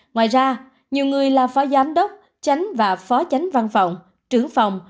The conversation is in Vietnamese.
ngoài ra nhiều người là phó giám đốc chánh và phó chánh văn phòng trưởng phòng